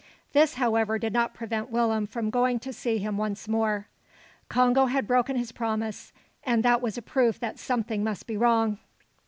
This, however, did not prevent Willem from going to see him once more. Congo had broken his promise; and that was a proof that something must be wrong.